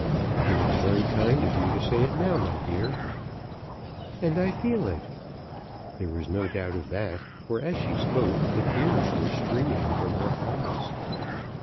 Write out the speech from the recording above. "It is very kind of you to say it now, my dear." "And I feel it." There was no doubt of that, for, as she spoke, the tears were streaming from her eyes.